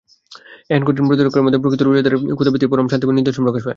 এহেন কঠিন প্রতীক্ষার মধ্যে প্রকৃত রোজাদারের খোদাভীতির পরম শান্তিময় নিদর্শন প্রকাশ পায়।